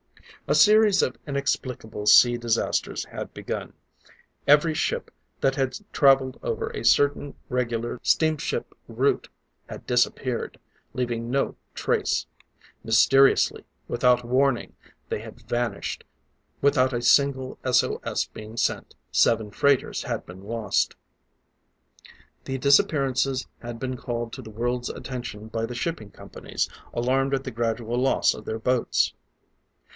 A series of inexplicable sea disasters had begun. Every ship that had traveled over a certain, regular steamship route, had disappeared, leaving no trace. Mysteriously, without warning, they had vanished; without a single S O S being sent, seven freighters had been lost. The disappearances had been called to the world's attention by the shipping companies, alarmed at the gradual loss of their boats.